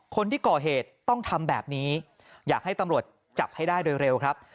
คนที่ก่อเหตุต้องทำแบบนี้อยากให้ตำรวจจับให้ได้โดยเร็วครับ